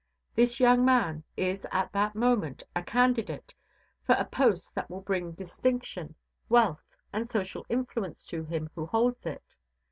This young man is at that moment a candidate for a post that will bring distinction, wealth, and social influence to him who holds it.